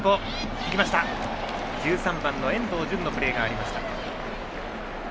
１３番の遠藤純のプレーがありました。